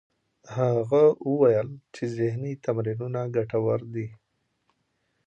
هغه وویل چې ذهنې تمرینونه ګټور دي.